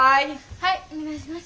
はいお願いします。